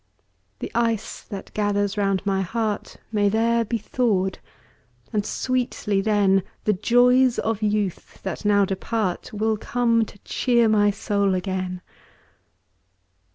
The ice that gathers round my heart May there be thawed; and sweetly, then, The joys of youth, that now depart, Will come to cheer my soul again.